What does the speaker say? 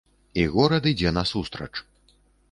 І горад ідзе насустрач.